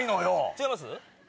違います？